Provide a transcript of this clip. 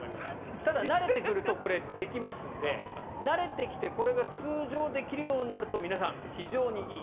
ただ、慣れてくるとできますので慣れてきてこれが通常できるようになると皆さん、非常にいい。